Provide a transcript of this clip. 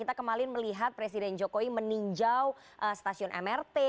kita kemarin melihat presiden jokowi meninjau stasiun mrt